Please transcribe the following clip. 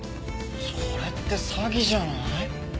それって詐欺じゃない？